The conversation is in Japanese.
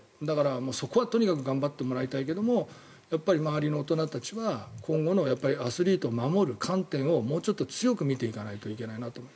そこは頑張ってもらいたいけどやっぱり周りの大人たちはアスリートを守る観点をもうちょっと強く見ていかないといけないなと。